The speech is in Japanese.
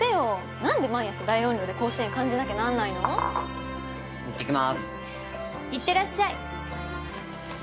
なんで毎朝大音量で甲子園感じなきゃなんないのいってきまーすいってらっしゃい